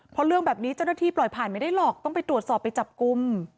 เพราะเรื่องแบบนี้เจ้าหน้าที่ปล่อยผ่านไม่ได้หรอกต้องไปตรวจสอบไปจับกลุ่ม